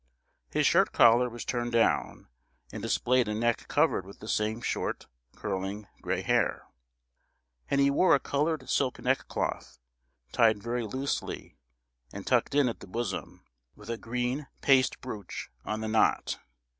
His shirt collar was turned down, and displayed a neck covered with the same short, curling, gray hair; and he wore a coloured silk neckcloth, tied very loosely, and tucked in at the bosom, with a green paste brooch on the knot.